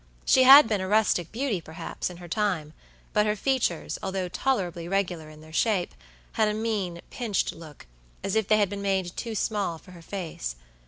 She had been a rustic beauty, perhaps, in her time, but her features, although tolerably regular in their shape, had a mean, pinched look, as if they had been made too small for her face.